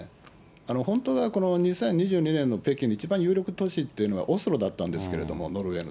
本当は２０２２年の北京の、有力都市っていうのはオスロだったんですけど、ノルウェーの。